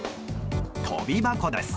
跳び箱です。